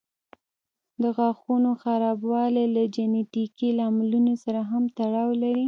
د غاښونو خرابوالی له جینيټیکي لاملونو سره هم تړاو لري.